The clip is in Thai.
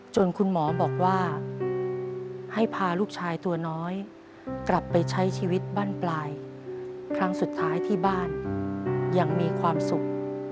คุณหมอบอกว่าให้พาลูกชายตัวน้อยกลับไปใช้ชีวิตบ้านปลายครั้งสุดท้ายที่บ้านยังมีความสุข